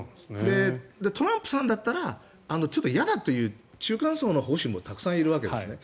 トランプさんだったらちょっと嫌だという中間層の保守もたくさんいるわけですね。